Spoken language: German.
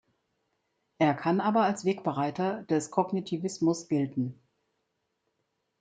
Er kann aber als Wegbereiter des Kognitivismus gelten.